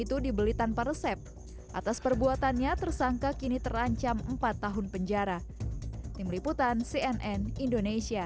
itu dibeli tanpa resep atas perbuatannya tersangka kini terancam empat tahun penjara tim liputan cnn indonesia